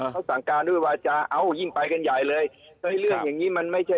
เขาสั่งการด้วยวาจาเอ้ายิ่งไปกันใหญ่เลยเฮ้ยเรื่องอย่างนี้มันไม่ใช่